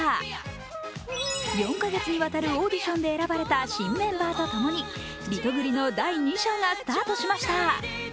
４か月にわたるオーディションで選ばれた新メンバーと共にリトグリの第２章がスタートしました。